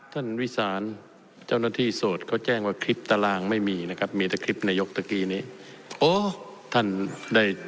วิสานเจ้าหน้าที่โสดเขาแจ้งว่าคลิปตารางไม่มีนะครับมีแต่คลิปนายกตะกี้นี้